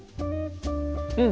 うん！